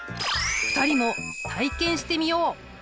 ２人も体験してみよう。